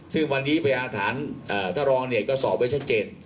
ซึ่งวันนี้พยาฐานท่านรองเนี่ยก็สอบไว้ชัดเจน